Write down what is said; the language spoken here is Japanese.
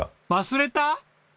忘れた？